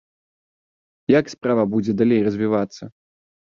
Як справа будзе далей развівацца?